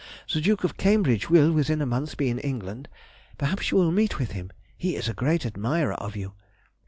The Duke of Cambridge will, within a month, be in England; perhaps you will meet with him; he is a great admirer of you.